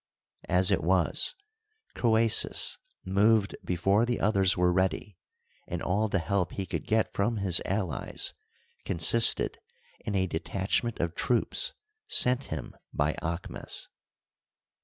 As it was, Croesus moved before the others were ready, and all the help he could get from his allies con sisted in a detachment of troops sent him by Aahmes.